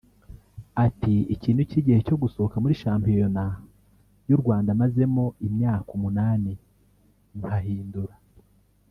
Ati” Iki nicyo gihe cyo gusohoka muri shampiyona y’u Rwanda mazemo imyaka umunani nkahindura